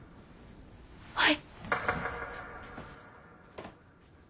はい。